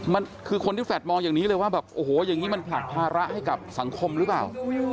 มันคือคนที่แฟลตมองอย่างนี้เลยว่าแบบโอ้โหอย่างนี้มันผลักภาระให้กับสังคมหรือเปล่า